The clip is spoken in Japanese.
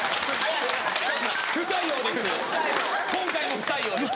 不採用です